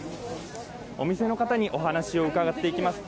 お店の方にお話を伺っていきます。